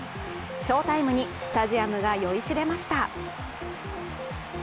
翔タイムにスタジアムが酔いしれました。